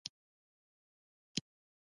آزاد تجارت مهم دی ځکه چې یووالي رامنځته کوي.